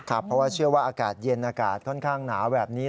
เพราะว่าเชื่อว่าอากาศเย็นอากาศค่อนข้างหนาวแบบนี้